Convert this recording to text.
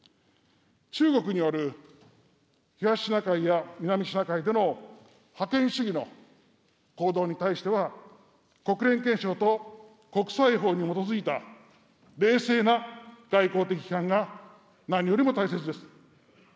中国による東シナ海や南シナ海での覇権主義の行動に対しては、国連憲章と国際法に基づいた冷静な外交的批判が何よりも大切です。